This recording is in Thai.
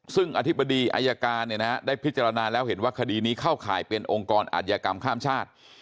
ซึ่งอธิบดีอายการได้พิจารณาแล้วเห็นว่าคดีนี้เข้าข่ายเป็นองค์กรอาธิกรรมข้ามชาติ